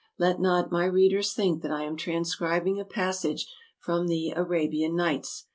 Let not my readers think that I am transcribing a passage from the " Arabian Nights.